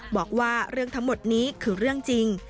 บอกว่าเรื่องทั้งหมดนี้คือเรื่องจริง